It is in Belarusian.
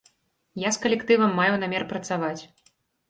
Я з калектывам маю намер працаваць!